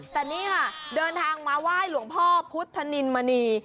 แต่นี่ค่ะเดินทางมาไหว้หลวงพ่อพุทธนินมณี